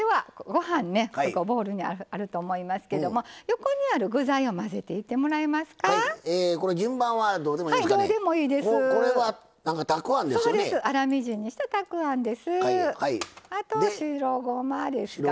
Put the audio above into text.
ご飯、ボウルにあると思いますけども横にある具材を混ぜていってもらえますか。